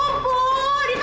nggak sof nggak sof